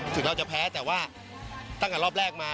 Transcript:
ถึงเราจะแพ้แต่ว่าตั้งแต่รอบแรกมา